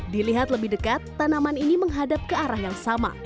dilihat lebih dekat tanaman ini menghadap ke arah yang sama